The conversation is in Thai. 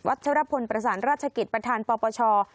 ชรพลประสานราชกิจประธานปปช